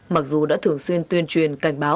mặc dù đã thường xuyên tuyên truyền cảnh báo